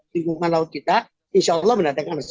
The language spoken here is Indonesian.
lingkungan laut kita insya allah menetapkan sebegitu